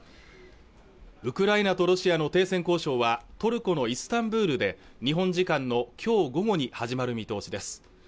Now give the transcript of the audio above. ウクライナとロシアの停戦交渉はトルコのイスタンブールで日本時間のきょう午後に始まる見通しです